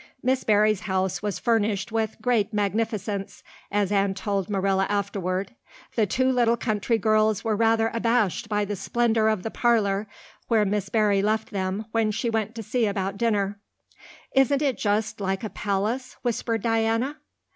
Miss Barry's house was furnished with "great magnificence," as Anne told Marilla afterward. The two little country girls were rather abashed by the splendor of the parlor where Miss Barry left them when she went to see about dinner. "Isn't it just like a palace?" whispered Diana.